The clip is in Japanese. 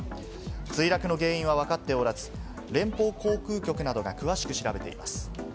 墜落の原因はわかっておらず、連邦航空局などが詳しく調べています。